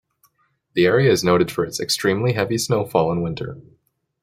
The area is noted for its extremely heavy snowfall in winter.